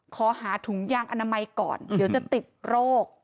ขอหาถุงยางอนามัยก่อนเดี๋ยวจะติดโรค